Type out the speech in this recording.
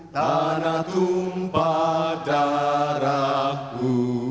tanah tumpah daraku